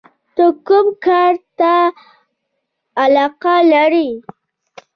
ته کوم کار ته علاقه لرې؟